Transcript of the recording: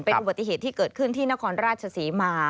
อุบัติเหตุที่เกิดขึ้นที่นครราชศรีมา